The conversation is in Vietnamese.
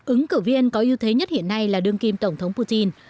ứng cử viên có ưu thế nhất hiện nay là đương kim tổng thống putin